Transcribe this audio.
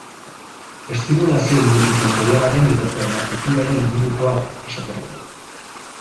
Estimulazio multisentsorialaren edo permakulturaren ingurukoak, esaterako.